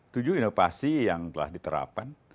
tujuh inovasi yang telah diterapkan